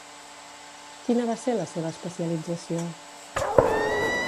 Quina va ser la seva especialització?